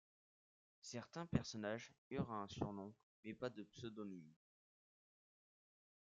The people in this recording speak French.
Certains personnages eurent un surnom mais pas de pseudonyme.